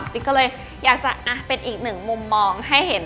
ติ๊กก็เลยอยากจะเป็นอีกหนึ่งมุมมองให้เห็น